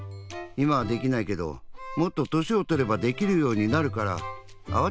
いまはできないけどもっととしをとればできるようになるからあわてないでよ。